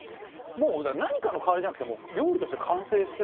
もう何かの代わりじゃなくて。